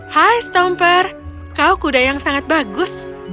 hai stomper kau kuda yang sangat bagus